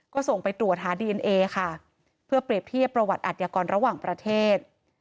ก็ส่งไปตรวจหาดีเอ็นเอค่ะเพื่อเปรียบเทียบประวัติอัธยากรระหว่างประเทศ